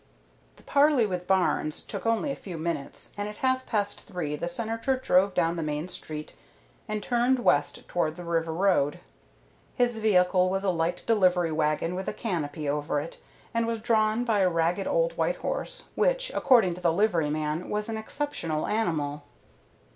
The parley with Barnes took only a few minutes, and at half past three the Senator drove down the main street and turned west toward the river road. His vehicle was a light delivery wagon with a canopy over it, and was drawn by a ragged old white horse, which, according to the livery man, was an exceptional animal.